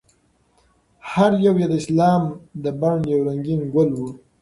هر یو یې د اسلام د بڼ یو رنګین ګل و.